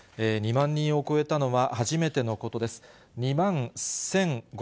２万人を超えたのは初めてのことです。